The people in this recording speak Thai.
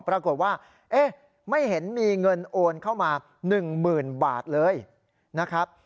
ปรากฏว่าเอ๊ะไม่เห็นมีเงินโอนเข้ามา๑๐๐๐บาทเลยนะครับ